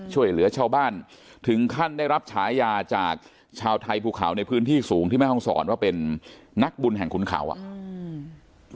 ช่วยเหลือชาวบ้านถึงขั้นได้รับฉายาจากชาวไทยภูเขาในพื้นที่สูงที่แม่ห้องศรว่าเป็นนักบุญแห่งขุนเขาอ่ะอืม